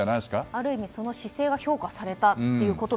ある意味その姿勢が評価されたと。